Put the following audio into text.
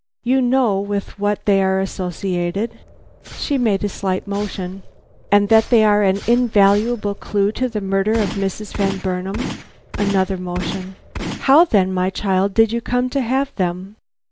You know with what they are associated?" She made a slight motion. "And that they are an invaluable clue to the murderer of Mrs. Van Burnam?" Another motion. "How then, my child, did you come to have them?"